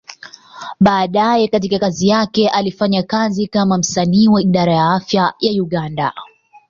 Baadaye katika kazi yake, alifanya kazi kama msanii wa Idara ya Afya ya Uganda.